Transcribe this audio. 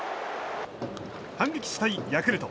反撃したいヤクルト。